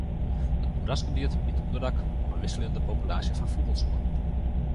It moerasgebiet biedt ûnderdak oan in wikseljende populaasje fan fûgelsoarten.